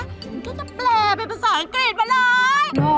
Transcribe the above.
ฉันก็จะแปลเป็นภาษาอังกฤษมาเลย